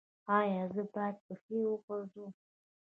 ایا زه باید پښې وغځوم؟